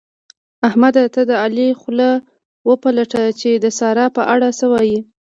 احمده! ته د علي خوله وپلټه چې د سارا په اړه څه وايي؟